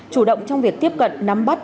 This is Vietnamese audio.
chủ động trong việc tiếp cận nắm bắt